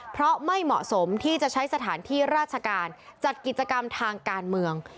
เพราะไม่เหมาะสมที่จะใช้สถานที่ราชการจัดกิจกรรมทางการเมือง